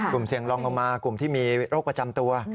กลุ่มเสี่ยงลองลงมากลุ่มที่มีโรคประจำตัว